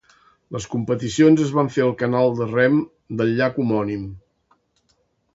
Les competicions es van fer al canal de rem del llac homònim.